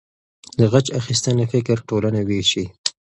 د غچ اخیستنې فکر ټولنه ویشي.